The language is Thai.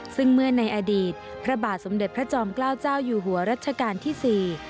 ซึ่งเมื่อในอดีตพระบาทสมเด็จพระจอมเกล้าเจ้าอยู่หัวรัชกาลที่สี่